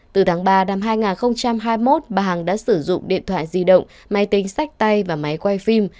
từ tháng ba năm hai nghìn hai mươi một bà hằng đã sử dụng điện thoại di động máy tính sách tay và máy quay phim